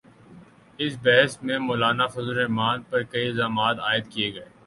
اس بحث میں مولانافضل الرحمن پر کئی الزامات عائد کئے گئے،